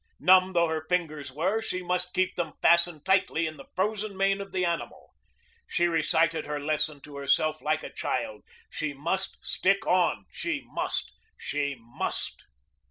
Numb though her fingers were, she must keep them fastened tightly in the frozen mane of the animal. She recited her lesson to herself like a child. She must stick on she must she must.